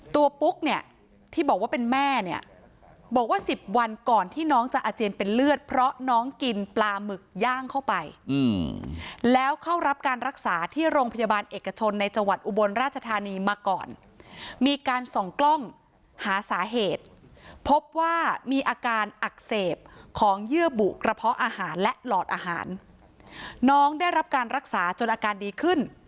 ปุ๊กเนี่ยที่บอกว่าเป็นแม่เนี่ยบอกว่าสิบวันก่อนที่น้องจะอาเจียนเป็นเลือดเพราะน้องกินปลาหมึกย่างเข้าไปแล้วเข้ารับการรักษาที่โรงพยาบาลเอกชนในจังหวัดอุบลราชธานีมาก่อนมีการส่องกล้องหาสาเหตุพบว่ามีอาการอักเสบของเยื่อบุกระเพาะอาหารและหลอดอาหารน้องได้รับการรักษาจนอาการดีขึ้น